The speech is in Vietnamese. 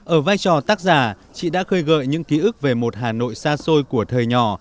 ở vai trò tác giả chị đã khơi gợi những ký ức về một hà nội xa xôi của thời nhỏ